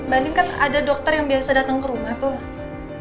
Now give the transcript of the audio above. mbak nin kan ada dokter yang biasa datang ke rumah tuh